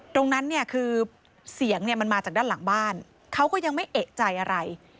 ตรงนั้นเนี่ยคือเสียงเนี่ยมันมาจากด้านหลังบ้านเขาก็ยังไม่เอกใจอะไร